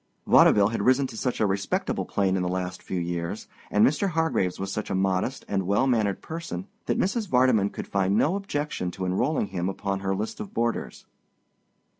Vaudeville has risen to such a respectable plane in the last few years, and Mr. Hargraves was such a modest and well mannered person, that Mrs. Vardeman could find no objection to enrolling him upon her list of boarders.